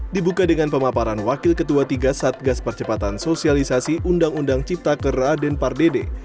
dibuka dengan pemaparan wakil ketua tiga satgas percepatan sosialisasi undang undang ciptaker raden pardede